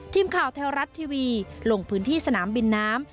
ทีมข่าวแท้รัฐทีวีลงพื้นที่สนามบินน้ำ